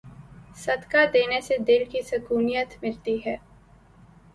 صدقہ دینے سے دل کی سکونیت ملتی ہے۔